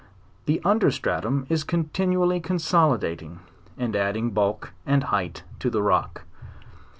The under stratum is continually consolidating, and adding bulk and height to the rock.